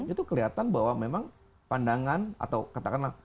itu kelihatan bahwa memang pandangan atau katakanlah